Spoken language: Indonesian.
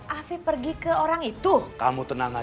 yang jelas sekarang ini afif sedang menuju ke rumahnya narsi ini